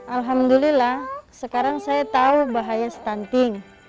alhamdulillah sekarang saya tahu bahaya stunting